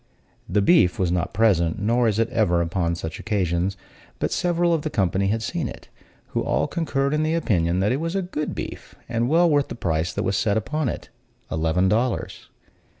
The beef was not present, nor is it ever upon such occasions; but several of the company had seen it, who all concurred in the opinion that it was a good beef, and well worth the price that was set upon it eleven dollars.